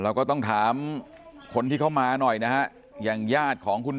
ก็ต้องถามคนที่เข้ามาหน่อยนะฮะอย่างญาติของคุณ